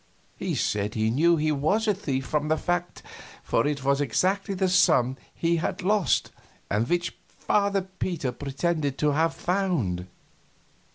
He said he knew he was a thief from that fact, for it was exactly the sum he had lost and which Father Peter pretended he had "found."